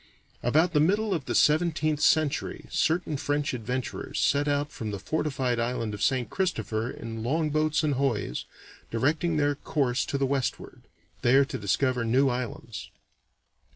About the middle of the seventeenth century certain French adventurers set out from the fortified island of St. Christopher in longboats and hoys, directing their course to the westward, there to discover new islands.